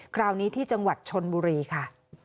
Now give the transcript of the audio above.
คราวนี้ที่จังหวัดชนบุรีค่ะ